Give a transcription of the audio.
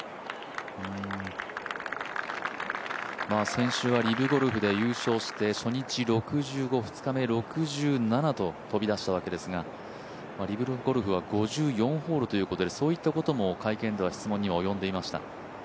先週はリブゴルフで優勝して初日６５、２日目６７と飛び出したわけですがリブゴルフは５４ホールということでそういったことも会見では質問には及んでいました。